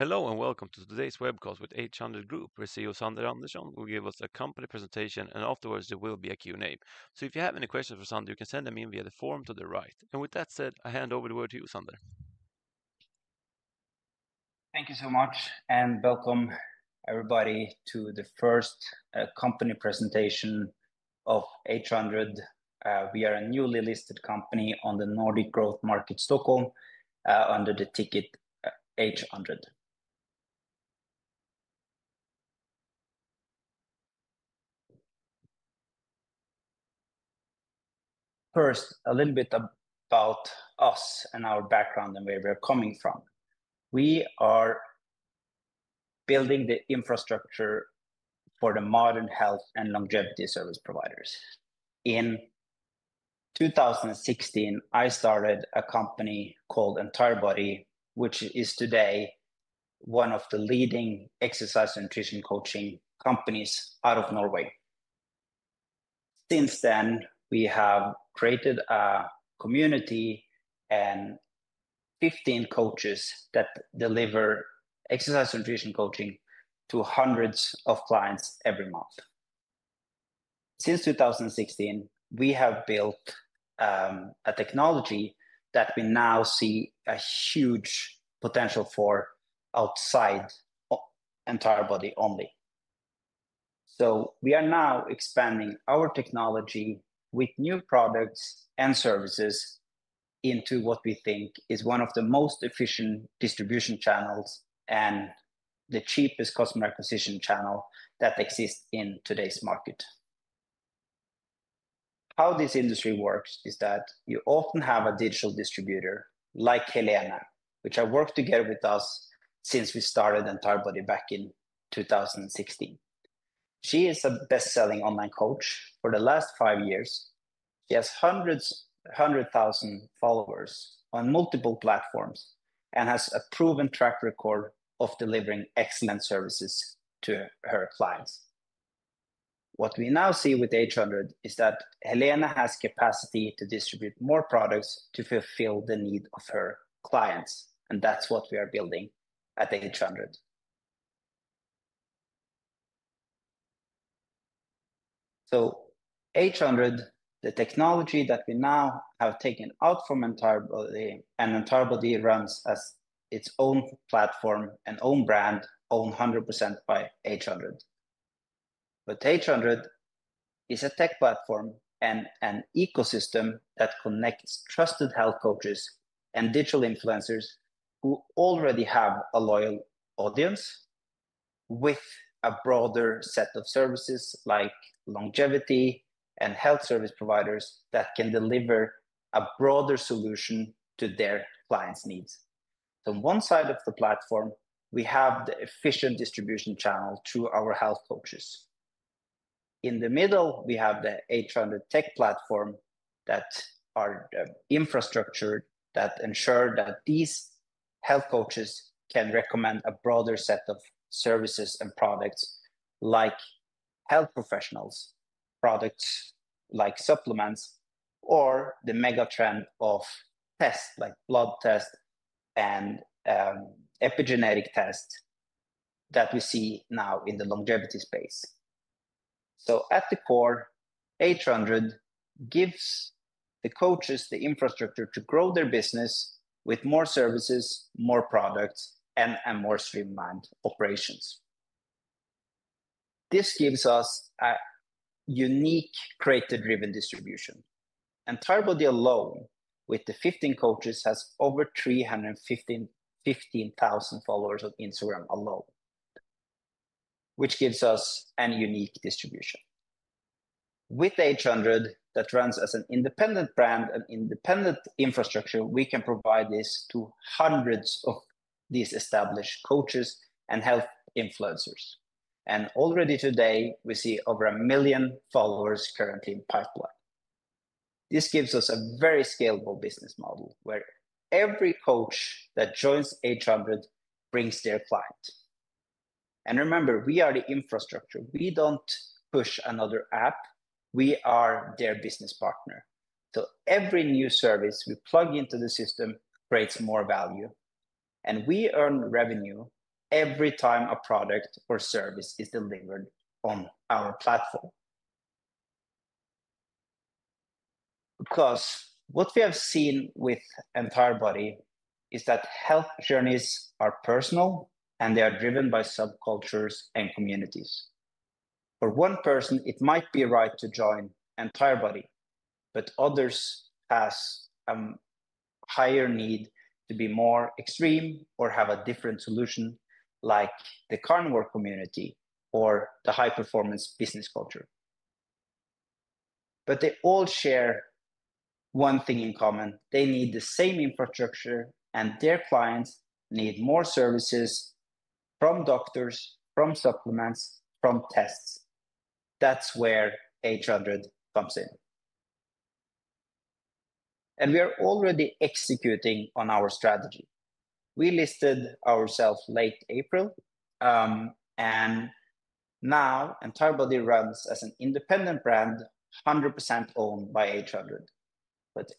Hello and welcome to today's webcast with H100 Group. We see you, Sander Andersson, who will give us a company presentation, and afterwards there will be a Q&A. If you have any questions for Sander, you can send them in via the form to the right. With that said, I hand over the word to you, Sander. Thank you so much, and welcome everybody to the first company presentation of H100. We are a newly listed company on the Nordic Growth Markets Stockholm under the ticket H100. First, a little bit about us and our background and where we are coming from. We are building the infrastructure for the modern health and longevity service providers. In 2016, I started a company called EntireBody, which is today one of the leading exercise nutrition coaching companies out of Norway. Since then, we have created a community and 15 coaches that deliver exercise nutrition coaching to hundreds of clients every month. Since 2016, we have built a technology that we now see a huge potential for outside EntireBody only. We are now expanding our technology with new products and services into what we think is one of the most efficient distribution channels and the cheapest customer acquisition channel that exists in today's market. How this industry works is that you often have a digital distributor like Helena, which has worked together with us since we started EntireBody back in 2016. She is a best-selling online coach for the last five years. She has 100,000 followers on multiple platforms and has a proven track record of delivering excellent services to her clients. What we now see with H100 is that Helena has capacity to distribute more products to fulfill the need of her clients, and that's what we are building at H100. H100, the technology that we now have taken out from EntireBody, and EntireBody runs as its own platform, an own brand, owned 100% by H100. H100 is a tech platform and an ecosystem that connects trusted health coaches and digital influencers who already have a loyal audience with a broader set of services like longevity and health service providers that can deliver a broader solution to their clients' needs. On one side of the platform, we have the efficient distribution channel through our health coaches. In the middle, we have the H100 tech platform that is infrastructured that ensures that these health coaches can recommend a broader set of services and products like health professionals, products like supplements, or the mega trend of tests like blood tests and epigenetic tests that we see now in the longevity space. At the core, H100 gives the coaches the infrastructure to grow their business with more services, more products, and more streamlined operations. This gives us a unique creator-driven distribution. EntireBody alone, with the 15 coaches, has over 315,000 followers on Instagram alone, which gives us a unique distribution. With H100 that runs as an independent brand, an independent infrastructure, we can provide this to hundreds of these established coaches and health influencers. Already today, we see over 1 million followers currently in pipeline. This gives us a very scalable business model where every coach that joins H100 brings their client. Remember, we are the infrastructure. We do not push another app. We are their business partner. Every new service we plug into the system creates more value, and we earn revenue every time a product or service is delivered on our platform. Because what we have seen with EntireBody is that health journeys are personal and they are driven by subcultures and communities. For one person, it might be right to join EntireBody, but others have a higher need to be more extreme or have a different solution, like the carnivore community or the high-performance business culture. They all share one thing in common. They need the same infrastructure, and their clients need more services from doctors, from supplements, from tests. That is where H100 comes in. We are already executing on our strategy. We listed ourselves late April, and now EntireBody runs as an independent brand, 100% owned by H100.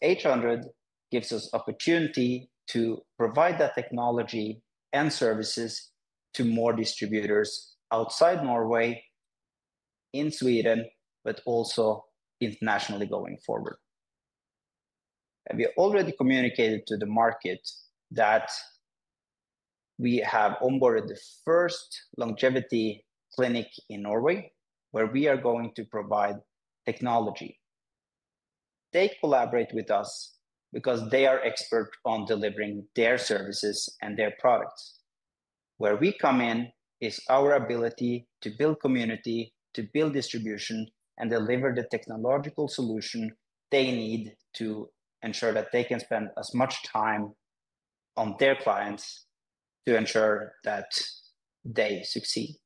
H100 gives us the opportunity to provide that technology and services to more distributors outside Norway, in Sweden, but also internationally going forward. We already communicated to the market that we have onboarded the first longevity clinic in Norway, where we are going to provide technology. They collaborate with us because they are experts on delivering their services and their products. Where we come in is our ability to build community, to build distribution, and deliver the technological solution they need to ensure that they can spend as much time on their clients to ensure that they succeed.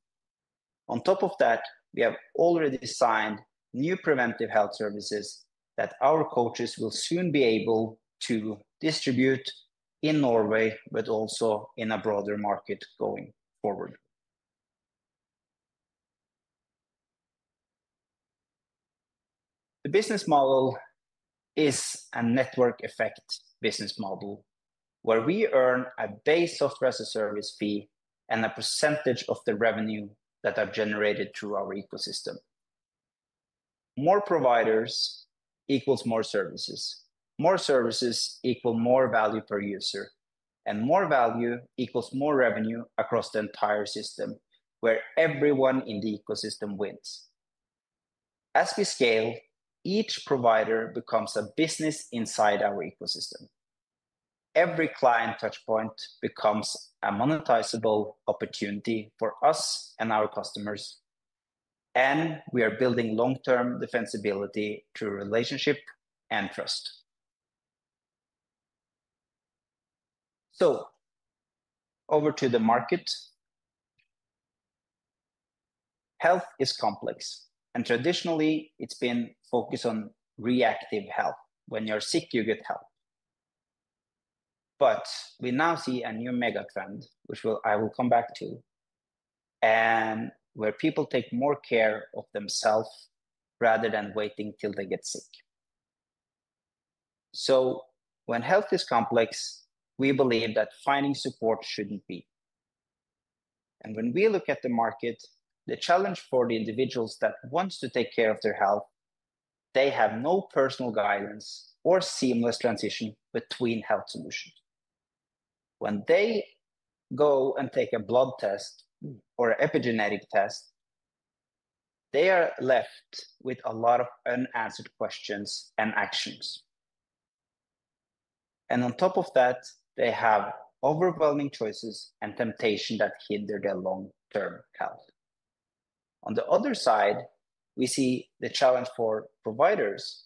On top of that, we have already signed new preventive health services that our coaches will soon be able to distribute in Norway, but also in a broader market going forward. The business model is a network-effect business model, where we earn a base software as a service fee and a percentage of the revenue that is generated through our ecosystem. More providers equals more services. More services equal more value per user, and more value equals more revenue across the entire system, where everyone in the ecosystem wins. As we scale, each provider becomes a business inside our ecosystem. Every client touchpoint becomes a monetizable opportunity for us and our customers, and we are building long-term defensibility through relationship and trust. Over to the market. Health is complex, and traditionally, it's been focused on reactive health. When you're sick, you get help. We now see a new mega trend, which I will come back to, and where people take more care of themselves rather than waiting till they get sick. When health is complex, we believe that finding support shouldn't be. When we look at the market, the challenge for the individuals that want to take care of their health, they have no personal guidance or seamless transition between health solutions. When they go and take a blood test or an epigenetic test, they are left with a lot of unanswered questions and actions. On top of that, they have overwhelming choices and temptation that hinder their long-term health. On the other side, we see the challenge for providers.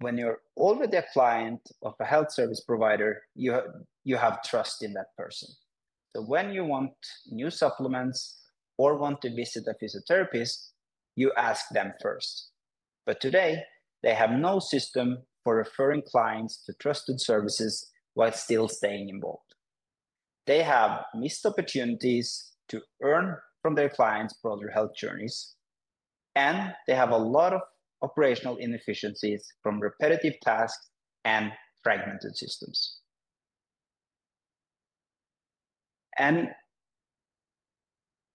When you're already a client of a health service provider, you have trust in that person. So when you want new supplements or want to visit a physiotherapist, you ask them first. Today, they have no system for referring clients to trusted services while still staying involved. They have missed opportunities to earn from their clients' broader health journeys, and they have a lot of operational inefficiencies from repetitive tasks and fragmented systems.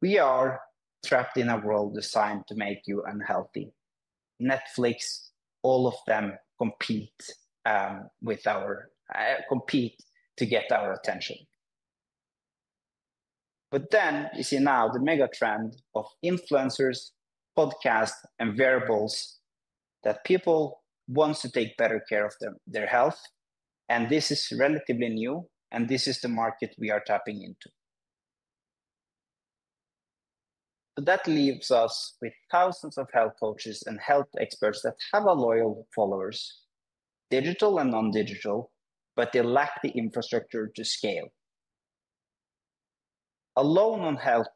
We are trapped in a world designed to make you unhealthy. Netflix, all of them compete to get our attention. You see now the mega trend of influencers, podcasts, and wearables that people want to take better care of their health, and this is relatively new, and this is the market we are tapping into. That leaves us with thousands of health coaches and health experts that have loyal followers, digital and non-digital, but they lack the infrastructure to scale. Alone on health,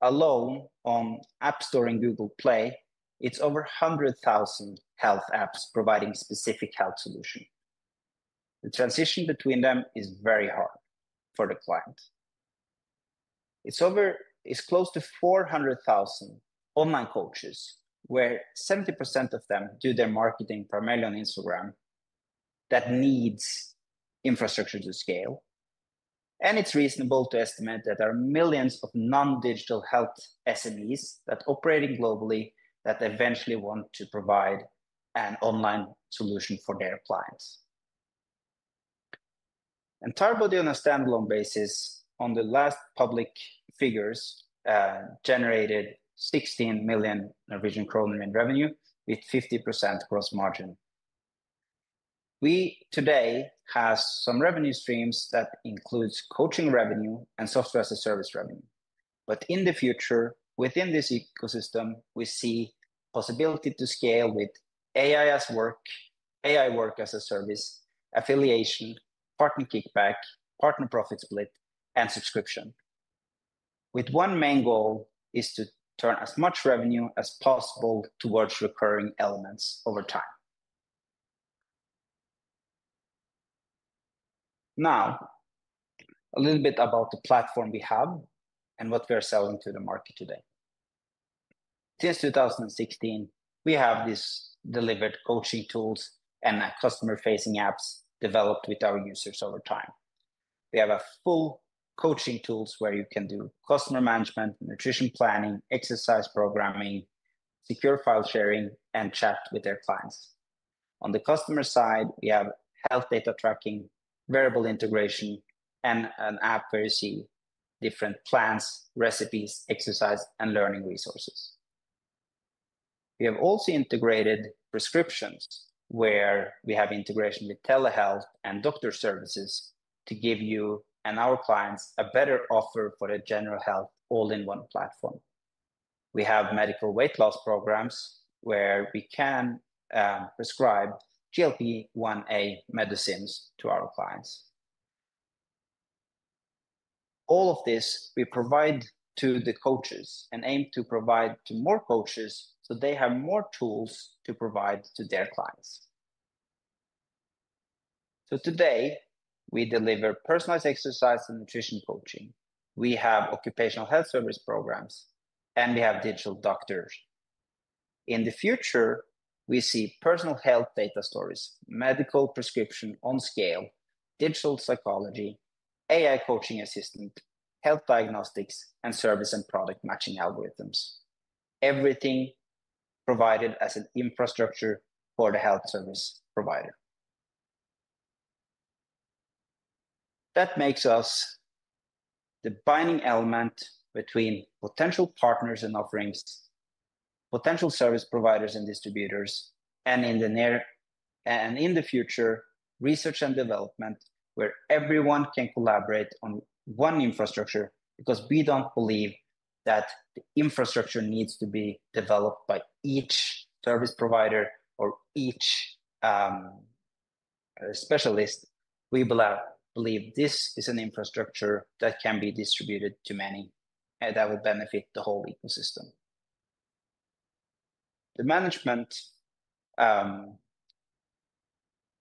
alone on App Store and Google Play, it is over 100,000 health apps providing specific health solutions. The transition between them is very hard for the client. It is close to 400,000 online coaches, where 70% of them do their marketing primarily on Instagram, that need infrastructure to scale. It is reasonable to estimate that there are millions of non-digital health SMEs that operate globally that eventually want to provide an online solution for their clients. EntireBody on a standalone basis, on the last public figures, generated 16 million Norwegian kroner in revenue with 50% gross margin. We today have some revenue streams that include coaching revenue and software as a service revenue. In the future, within this ecosystem, we see the possibility to scale with AI as a service, affiliation, partner kickback, partner profit split, and subscription. With one main goal is to turn as much revenue as possible towards recurring elements over time. Now, a little bit about the platform we have and what we are selling to the market today. Since 2016, we have delivered coaching tools and customer-facing apps developed with our users over time. We have full coaching tools where you can do customer management, nutrition planning, exercise programming, secure file sharing, and chat with their clients. On the customer side, we have health data tracking, wearable integration, and an app where you see different plans, recipes, exercise, and learning resources. We have also integrated prescriptions, where we have integration with Telehealth and doctor services to give you and our clients a better offer for a general health all-in-one platform. We have Medical weight loss programs where we can prescribe GLP-1A medicines to our clients. All of this we provide to the coaches and aim to provide to more coaches so they have more tools to provide to their clients. Today, we deliver personalized exercise and nutrition coaching. We have occupational health service programs, and we have digital doctors. In the future, we see personal health data stories, medical prescription on scale, digital psychology, AI coaching assistant, health diagnostics, and service and product matching algorithms. Everything provided as an infrastructure for the health service provider. That makes us the binding element between potential partners and offerings, potential service providers and distributors, and in the near and in the future, research and development, where everyone can collaborate on one infrastructure because we do not believe that the infrastructure needs to be developed by each service provider or each specialist. We believe this is an infrastructure that can be distributed to many and that will benefit the whole ecosystem. The management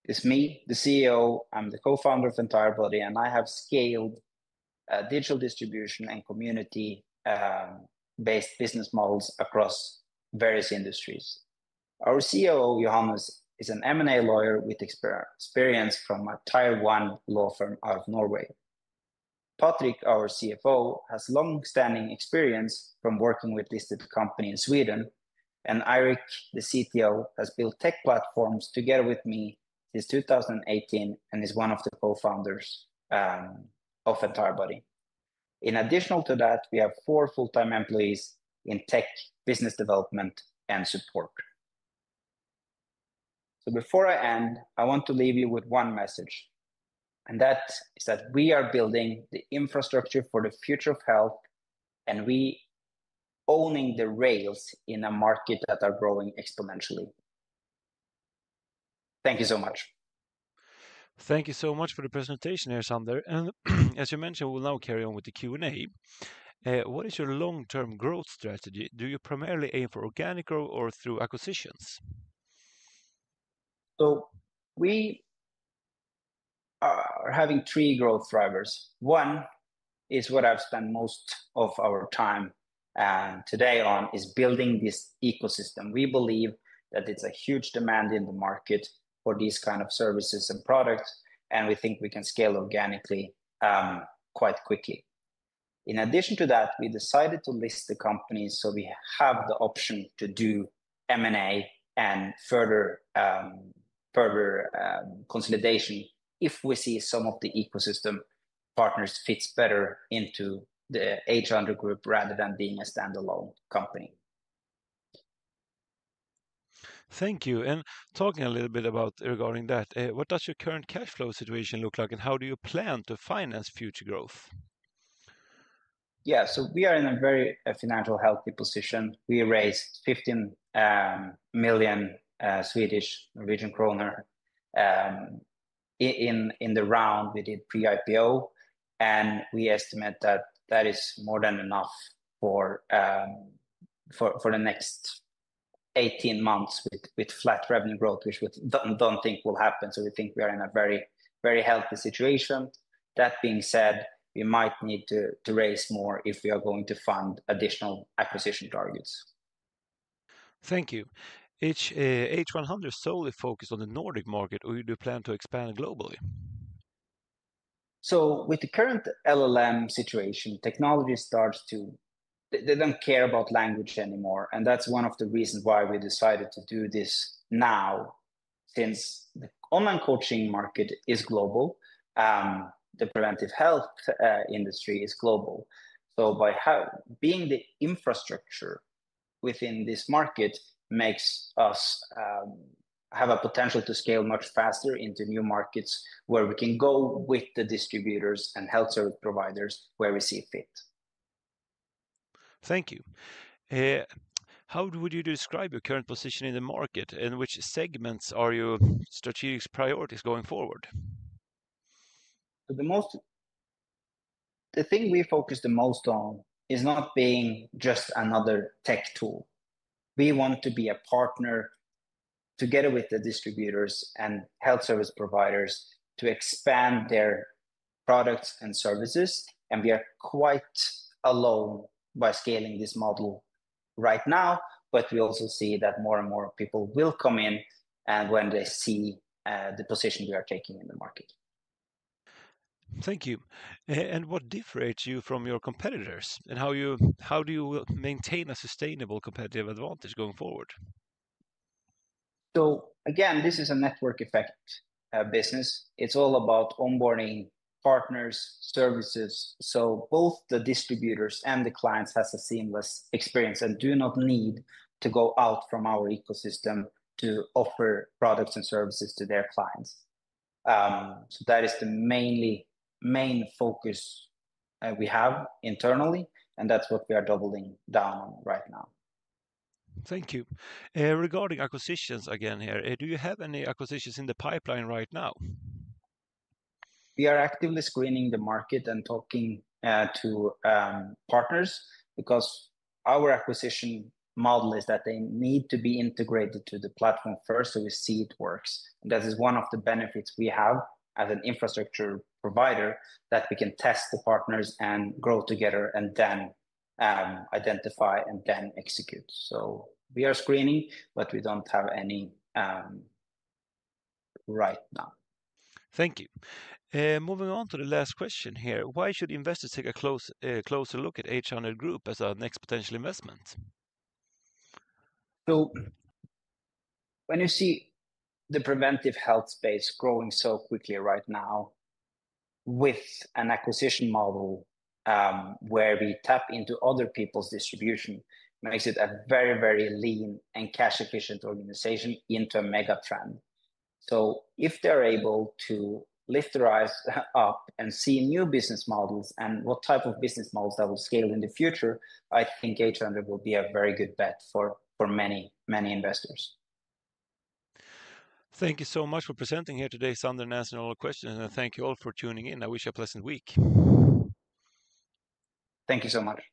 is me, the CEO. I am the co-founder of EntireBody, and I have scaled digital distribution and community-based business models across various industries. Our CEO, Johannes, is an M&A lawyer with experience from a tier-one law firm out of Norway. Patrick, our CFO, has long-standing experience from working with this company in Sweden, and Eirik, the CTO, has built tech platforms together with me since 2018 and is one of the co-founders of EntireBody. In addition to that, we have four full-time employees in tech, business development, and support. Before I end, I want to leave you with one message, and that is that we are building the infrastructure for the future of health, and we are owning the rails in a market that is growing exponentially. Thank you so much. Thank you so much for the presentation, Sander. As you mentioned, we'll now carry on with the Q&A. What is your long-term growth strategy? Do you primarily aim for organic growth or through acquisitions? We are having three growth drivers. One is what I've spent most of our time today on, building this ecosystem. We believe that it's a huge demand in the market for these kinds of services and products, and we think we can scale organically quite quickly. In addition to that, we decided to list the company so we have the option to do M&A and further consolidation if we see some of the ecosystem partners fit better into the H100 Group rather than being a standalone company. Thank you. Talking a little bit about regarding that, what does your current cash flow situation look like, and how do you plan to finance future growth? Yeah, we are in a very financially healthy position. We raised NOK 15 million in the round we did pre-IPO, and we estimate that that is more than enough for the next 18 months with flat revenue growth, which we do not think will happen. We think we are in a very, very healthy situation. That being said, we might need to raise more if we are going to fund additional acquisition targets. Thank you. H100 is solely focused on the Nordic market, or do you plan to expand globally? With the current LLM situation, technology starts to, they do not care about language anymore, and that is one of the reasons why we decided to do this now, since the online coaching market is global. The preventive health industry is global. By being the infrastructure within this market, it makes us have a potential to scale much faster into new markets where we can go with the distributors and health service providers where we see fit. Thank you. How would you describe your current position in the market, and which segments are your strategic priorities going forward? The thing we focus the most on is not being just another tech tool. We want to be a partner together with the distributors and health service providers to expand their products and services, and we are quite alone by scaling this model right now, but we also see that more and more people will come in when they see the position we are taking in the market. Thank you. What differentiates you from your competitors, and how do you maintain a sustainable competitive advantage going forward? This is a network-effect business. It's all about onboarding partners, services, so both the distributors and the clients have a seamless experience and do not need to go out from our ecosystem to offer products and services to their clients. That is the main focus we have internally, and that's what we are doubling down on right now. Thank you. Regarding acquisitions again here, do you have any acquisitions in the pipeline right now? We are actively screening the market and talking to partners because our acquisition model is that they need to be integrated to the platform first so we see it works. That is one of the benefits we have as an infrastructure provider, that we can test the partners and grow together and then identify and then execute. We are screening, but we do not have any right now. Thank you. Moving on to the last question here. Why should investors take a closer look at H100 Group as our next potential investment? When you see the preventive health space growing so quickly right now with an acquisition model where we tap into other people's distribution, it makes it a very, very lean and cash-efficient organization into a mega trend. If they're able to lift their eyes up and see new business models and what type of business models that will scale in the future, I think H100 will be a very good bet for many, many investors. Thank you so much for presenting here today, Sander Andersen, and all the questions, and thank you all for tuning in. I wish you a pleasant week. Thank you so much.